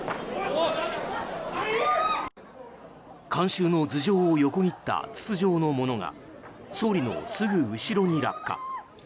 観衆の頭上を横切った筒状のものが総理のすぐ後ろに落下。